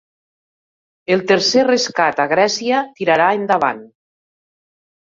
El tercer rescat a Grècia tirarà endavant